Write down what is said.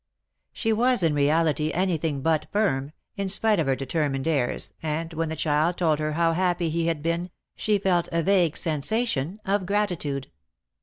She was in reality anything but firm, in spite of her determined airs, and when the child told her how happy he had been, she felt a vague sensation of gratitude.